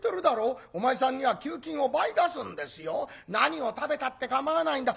何を食べたって構わないんだ。